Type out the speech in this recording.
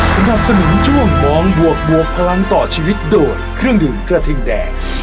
ลาไปก่อนสวัสดีครับ